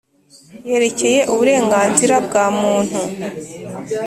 yerekeye uburenganzira bwa Muntu.